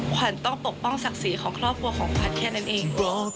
ขวัญต้องปกป้องศักดิ์ศรีของครอบครัวของขวัญแค่นั้นเอง